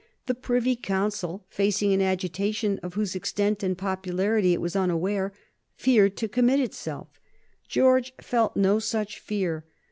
The Privy Council, facing an agitation of whose extent and popularity it was unaware, feared to commit itself. George felt no such fear.